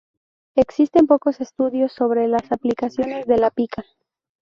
Existen pocos estudios sobre las complicaciones de la pica.